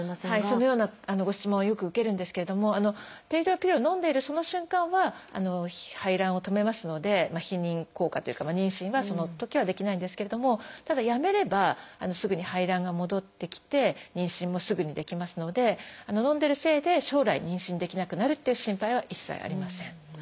そのようなご質問はよく受けるんですけれども低用量ピルをのんでいるその瞬間は排卵を止めますので避妊効果というか妊娠はそのときはできないんですけれどもただやめればすぐに排卵が戻ってきて妊娠もすぐにできますのでのんでるせいで将来妊娠できなくなるっていう心配は一切ありません。